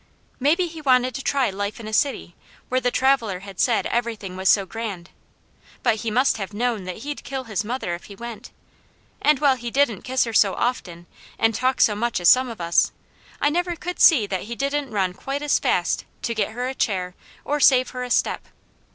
Maybe he wanted to try life in a city, where the traveller had said everything was so grand; but he must have known that he'd kill his mother if he went, and while he didn't kiss her so often, and talk so much as some of us, I never could see that he didn't run quite as fast to get her a chair or save her a step.